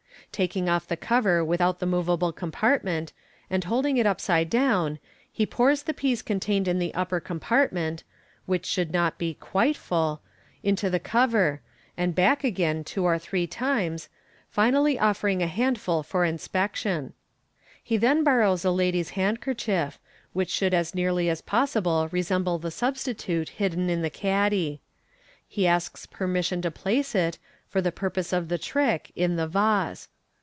Taking off the cover without the moveable compartment, and holding it upside down, he pours the peas contained in the upper compartment (which should not be quite full) into the cover, and back again two or three times, finally offering a handful for inspection. He then borrows a lady's handkerchief, which should as nearly as possible resemble the substitute hidden in the caddy. He asks per mission to place it, for the purpose of the trick, in the vase.